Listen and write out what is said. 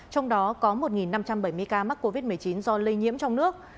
trong đó có một năm trăm bảy mươi ca mắc covid một mươi chín do lây nhiễm trong nước